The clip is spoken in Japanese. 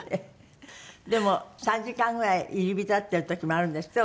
でも３時間ぐらい入り浸ってる時もあるんですって？